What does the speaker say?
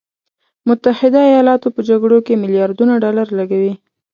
متحده ایالاتو په جګړو کې میلیارډونه ډالر لګولي.